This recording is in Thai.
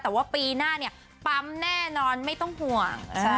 แต่ว่าปีหน้าเนี่ยปั๊มแน่นอนไม่ต้องห่วง